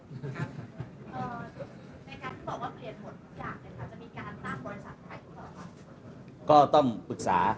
ในการที่บอกว่าเปลี่ยนหมดทุกอย่างจะมีการตั้งบริษัทใหม่หรือเปล่าครับ